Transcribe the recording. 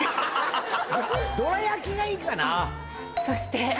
「そして？」。